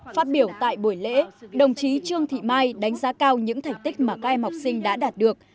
phát biểu tại buổi lễ đồng chí trương thị mai đánh giá cao những thành tích mà các em học sinh đã đạt được